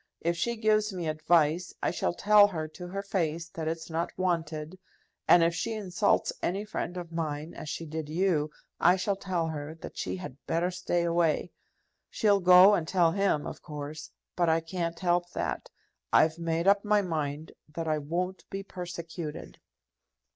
If she gives me advice, I shall tell her to her face that it's not wanted; and if she insults any friend of mine, as she did you, I shall tell her that she had better stay away. She'll go and tell him, of course; but I can't help that. I've made up my mind that I won't be persecuted."